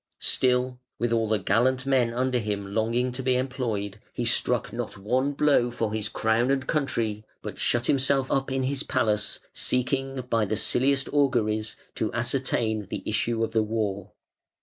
Still, with all the gallant men under him longing to be employed, he struck not one blow for his crown and country, but shut himself up in his palace, seeking by the silliest auguries to ascertain the issue of the war.